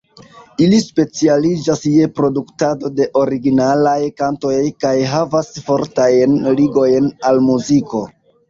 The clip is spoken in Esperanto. Ili specialiĝas je produktado de originalaj kantoj kaj havas fortajn ligojn al muziko.